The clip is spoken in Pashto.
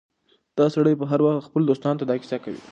دا سړی به هر وخت خپلو دوستانو ته دا کيسه کوي.